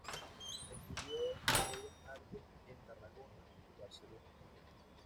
Estudió Bellas Artes en Tarragona y Barcelona.